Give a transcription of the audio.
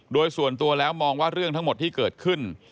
โดยส่วนตัวแล้วมองว่าเรื่องทั้งหมดที่เกิดขึ้น